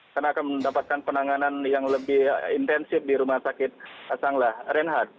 karena akan mendapatkan penanganan yang lebih intensif di rumah sakit sanglah renhad